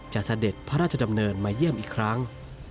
เสด็จพระราชดำเนินมาเยี่ยมอีกครั้ง